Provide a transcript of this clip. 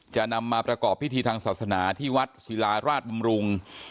จะนำมาประกอบพิธีทางศาสนาที่วัดศิลาราชบำรุง